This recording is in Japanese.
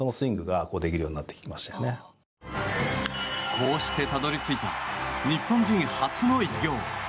こうしてたどり着いた日本人初の偉業。